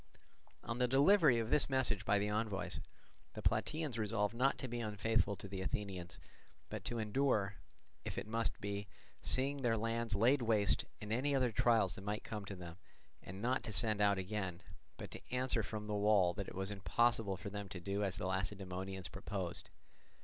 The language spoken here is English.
On the delivery of this message by the envoys, the Plataeans resolved not to be unfaithful to the Athenians but to endure, if it must be, seeing their lands laid waste and any other trials that might come to them, and not to send out again, but to answer from the wall that it was impossible for them to do as the Lacedaemonians proposed.